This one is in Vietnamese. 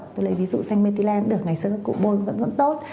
tôi lấy ví dụ xanh mê ti len cũng được ngày xưa cụ bôi vẫn vẫn tốt